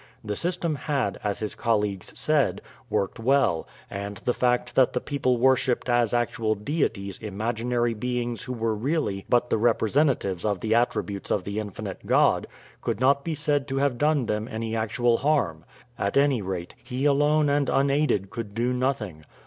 The system had, as his colleagues said, worked well; and the fact that the people worshiped as actual deities imaginary beings who were really but the representatives of the attributes of the infinite God, could not be said to have done them any actual harm. At any rate, he alone and unaided could do nothing.